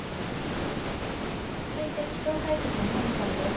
続いて気象解説、南さんです。